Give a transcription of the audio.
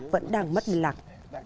vẫn đang mất lạc